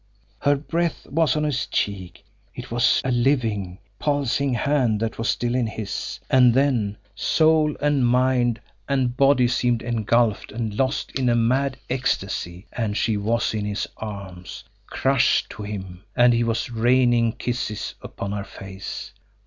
Her breath was on his cheek, it was a living, pulsing hand that was still in his and then soul and mind and body seemed engulfed and lost in a mad ecstasy and she was in his arms, crushed to him, and he was raining kisses upon her face.